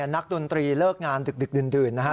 นักดนตรีเลิกงานดึกดื่นนะฮะ